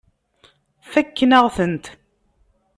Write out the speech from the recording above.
Fakken-aɣ-tent.